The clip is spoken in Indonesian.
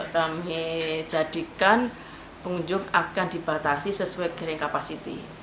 kami jadikan pengunjung akan dibatasi sesuai giring capacity